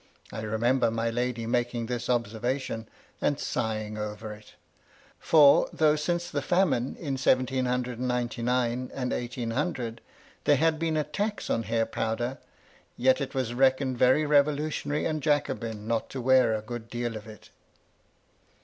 I remember my lady making this observation, and sighing over it ; for, though since the famine in seventeen hundred and ninety nine and eighteen hundred, there had been a tax on hair powder, yet it was reckoned very irevolu" tionary and Jacobin not to wear a good deal of it.